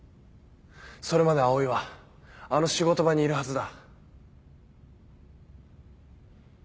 それまで葵はあの仕事場にいるはずだ。